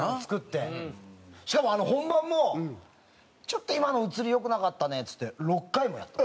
しかも本番も「ちょっと今の映り良くなかったね」っつって６回もやった。